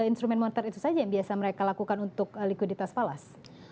instrument motor itu saja yang biasa mereka lakukan untuk likuiditas falas